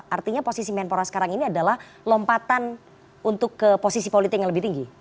artinya posisi menpora sekarang ini adalah lompatan untuk ke posisi politik yang lebih tinggi